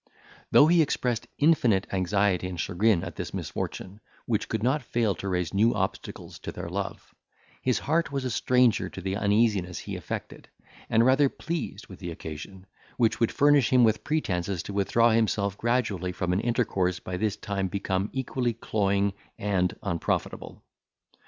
Though he expressed infinite anxiety and chagrin at this misfortune, which could not fail to raise new obstacles to their love, his heart was a stranger to the uneasiness he affected; and rather pleased with the occasion, which would furnish him with pretences to withdraw himself gradually from an intercourse by this time become equally cloying and unprofitable.